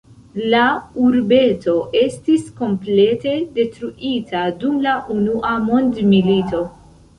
La urbeto estis komplete detruita dum la unua mondmilito.